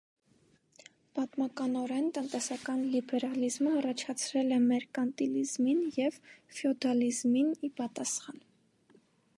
Պատմականորեն՝ տնտեսական լիբերալիզմը առաջացել է մերկանտիլիզմին և ֆյոդալիզմին ի պատասխան։